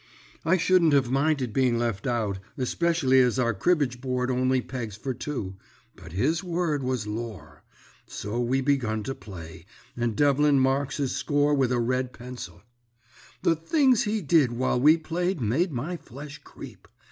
"I shouldn't have minded being left out, especially as our cribbage board only pegs for two, but his word was lore. So we begun to play, and Devlin marks his score with a red pencil. "The things he did while we played made my flesh creep.